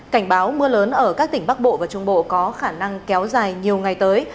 cảnh báo mưa lớn ở các tỉnh bắc bộ và trung bộ có khả năng kéo dài nhiều ngày tới